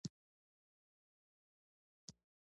د سیند اوبه د ټولو دي؟